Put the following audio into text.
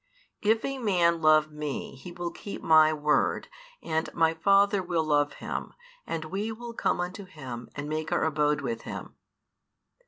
If a man love Me, he will keep My word; and My Father will love Him, and We will come unto him, and make Our abode with him.